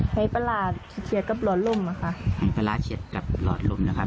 ให้ประหลาดเฉียดกับหลอดลมนะคะให้ปลาร้าเฉียดกับหลอดลมนะคะ